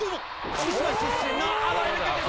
福島出身のあばれる君です。